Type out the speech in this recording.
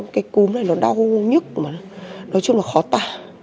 cái cúm này nó đau nhất nói chung là khó tả